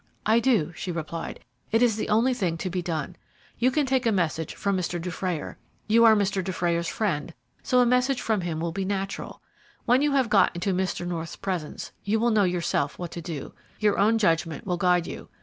"I do," she replied, "it is the only thing to be done. You can take a message from Mr. Dufrayer. You are Mr. Dufrayer's friend, so a message from him will be natural. When you have got into Mr. North's presence, you will know yourself what to do. Your own judgment will guide you.